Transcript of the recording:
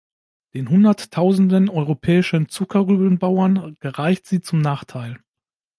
Den Hunderttausenden europäischen Zuckerrübenbauern gereicht sie zum Nachteil.